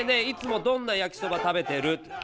いつもどんな焼きそば食べてる？」。